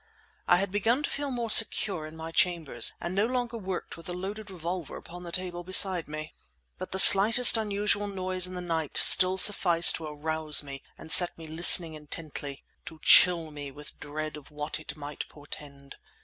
I had begun to feel more secure in my chambers, and no longer worked with a loaded revolver upon the table beside me. But the slightest unusual noise in the night still sufficed to arouse me and set me listening intently, to chill me with dread of what it might portend.